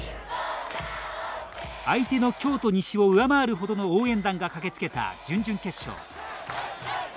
相手の京都西を上回るほどの応援団が駆けつけた準々決勝。